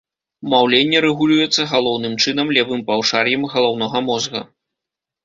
Маўленне рэгулюецца, галоўным чынам, левым паўшар'ем галаўнога мозга.